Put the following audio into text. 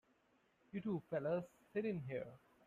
You two fellas sit in here.